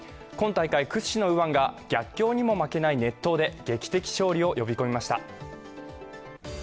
今大会屈指の右腕が逆境にも負けない熱投で劇的勝利を呼び込みました。